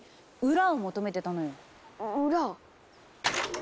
裏？